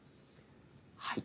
はい。